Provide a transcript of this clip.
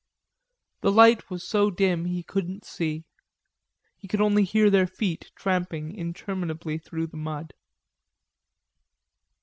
The light was so dim he couldn't see, he could only hear their feet tramping interminably through the mud.